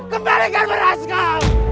kembalikan beras kau